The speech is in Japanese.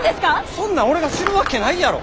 そんなん俺が知るわけないやろ！